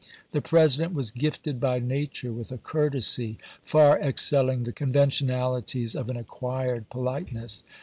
The President was gifted by nature with a courtesy far excelling the conventionalities of an acquired politeness.